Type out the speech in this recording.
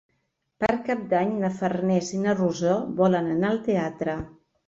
Per Cap d'Any na Farners i na Rosó volen anar al teatre.